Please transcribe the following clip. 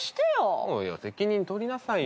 そうよ責任取りなさいよ。